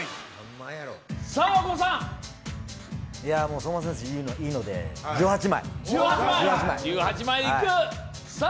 相馬選手、いいので、１８枚。